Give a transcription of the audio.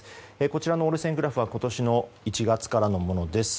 こちらの折れ線グラフは今年の１月からのものです。